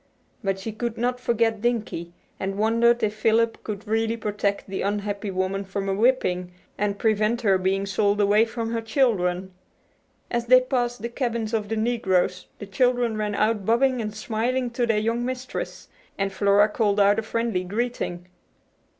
But she could not forget Dinkie, and wondered if Philip could really protect the unhappy woman from a whipping, and prevent her being sold away from her children. As they passed the cabins of the negroes the children ran out bobbing and smiling to their young mistress, and Flora called out a friendly greeting.